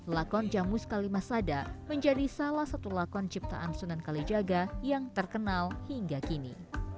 lakon jamus kalimasada menjadi salah satu lakon ciptaan sunan kalijaga yang terkenal hingga kini